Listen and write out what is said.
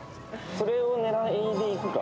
・それを狙いで行くか・